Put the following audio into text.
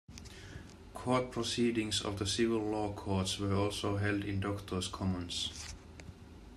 Court proceedings of the civil law courts were also held in Doctors' Commons.